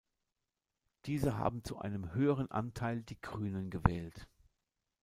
Diese haben zu einem höheren Anteil die Grünen gewählt.